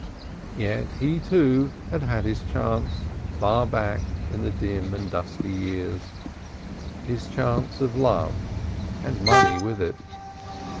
Yet he, too, had had his chance far back in the dim and dusty years, his chance of love and money with it.